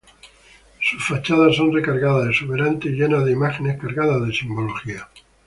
Sus fachadas son recargadas, exuberantes y llenas de imágenes cargadas de simbología.